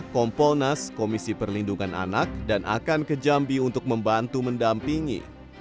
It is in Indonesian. kompolnas komisi perlindungan anak dan akan ke jambi untuk membantu mendampingi